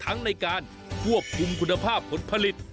ทั้งในการควบคุมคุณภาพผลผลิต